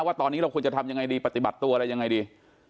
ว่าตอนนี้เราควรจะทำยังไงดีปฏิบัติตัวอะไรยังไงดี